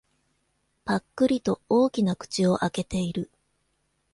ぱっくりと大きな口を開けている。